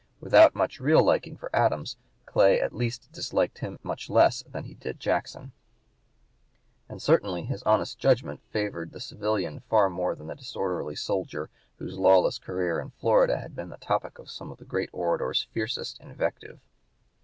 Without much real liking for Adams, Clay at least disliked him much less than he did Jackson, and certainly his honest judgment favored the civilian far more than the disorderly soldier whose lawless career in Florida had been the topic of some of the great orator's fiercest invective.